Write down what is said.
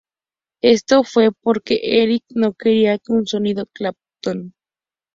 Esto fue porque Eric no quería un sonido Clapton.